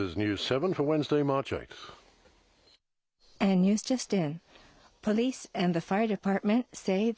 ニュース７です。